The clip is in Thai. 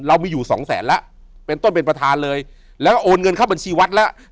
เรามีอยู่สองแสนแล้วเป็นต้นเป็นประธานเลยแล้วโอนเงินเข้าบัญชีวัดแล้ว